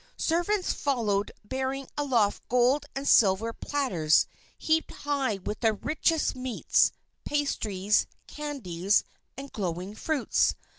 Servants followed bearing aloft gold and silver platters heaped high with the richest meats, pastries, candies, and glowing fruits.